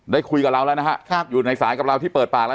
ได้คุยกับเราแล้วนะครับอยู่ในสายกับเราที่เปิดปากแล้ว